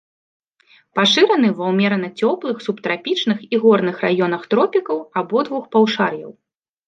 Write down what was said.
Пашыраны ва ўмерана цёплых, субтрапічных і горных раёнах тропікаў абодвух паўшар'яў.